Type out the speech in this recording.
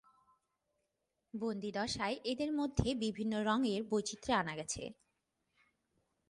বন্দীদশায় এদের মধ্যে বিভিন্ন রঙের বৈচিত্র্য আনা গেছে।